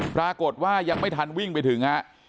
ปรากฏว่ายังไม่ทันวิ่งไปถึงฮะ